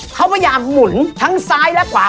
เขาพยายามหมุนทั้งซ้ายและขวา